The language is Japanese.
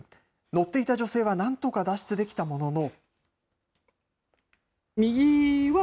乗っていた女性はなんとか脱出できたものの。